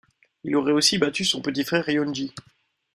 Il aurait aussi battu son petit frère Yonji.